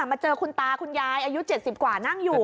มาเจอคุณตาคุณยายอายุ๗๐กว่านั่งอยู่